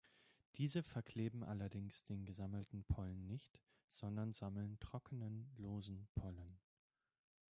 Diese verkleben allerdings den gesammelten Pollen nicht, sondern sammeln trockenen, losen Pollen.